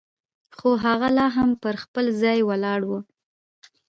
خو هغه لا هم پر خپل ځای ولاړه وه.